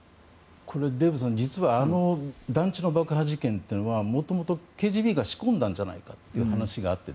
デーブさん、実は団地の爆破事件というのはもともとＫＧＢが仕込んだんじゃないかという話があって。